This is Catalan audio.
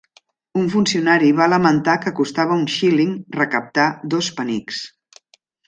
Un funcionari va lamentar que "costava un xíling recaptar dos penics".